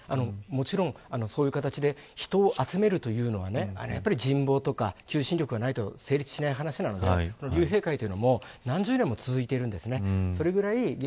もちろん、そういう形で人を集めるというのは人望や求心力がないと成立しない話なのでこの竜兵会というのは何十年も続いてるんですね。